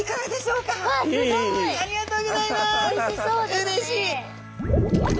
うれしい！